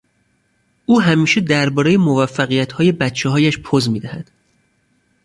او همیشه دربارهی موفقیتهای بچههایش پز میدهد.